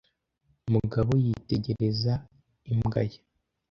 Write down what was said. Mugabo yitegereza imbwa ye